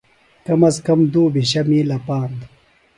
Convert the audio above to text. کم از کم دُوبھِشہ مِیلہ پاند